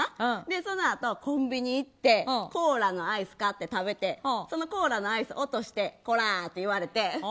そのあとコンビニに行ってコーラのアイス買って食べてそのコーラのアイス落としてコラー言われて。